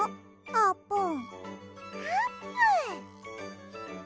あーぷん。